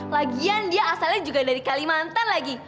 lagian dia asalnya juga dari kalimantan lagi